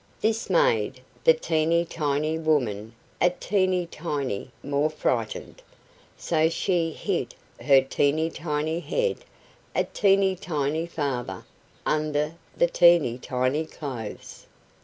This made the teeny tiny woman a teeny tiny more frightened, so she hid her teeny tiny head a teeny tiny farther under the teeny tiny clothes.